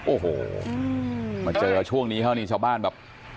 โอ้โหมาเจอช่วงนี้เท่านี้ชาวบ้านแบบ